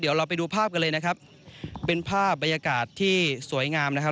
เดี๋ยวเราไปดูภาพกันเลยนะครับเป็นภาพบรรยากาศที่สวยงามนะครับ